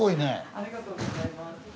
ありがとうございます。